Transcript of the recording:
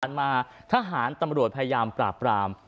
มาทหารตำรวจพยายามปราบปราม